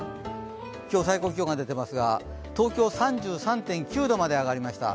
今日最高気温が出ていますが東京３３．９度まで上がりました。